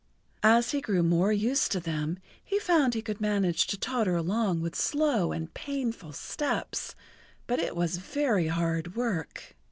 As he grew more used to them he found he could manage to totter along with slow and painful steps, but it was very hard work.